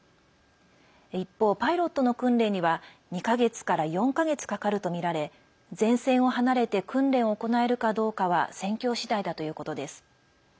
一方、パイロットの訓練には２か月から４か月かかるとみられ前線を離れて訓練を行えるかどうかは戦況次第だということです。